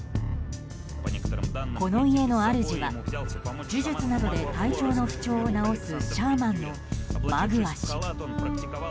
この家の主は呪術などで体調の不調を治すシャーマンのマグア氏。